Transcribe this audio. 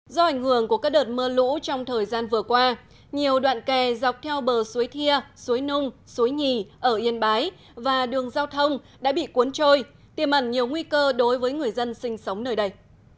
do ảnh hưởng của các đợt mưa lũ trong thời gian vừa qua nhiều đoạn kè dọc theo bờ suối thia suối nung suối nhì ở yên bái và đường giao thông đã bị cuốn trôi tiềm ẩn nhiều nguy cơ đối với người dân sinh sống nơi đây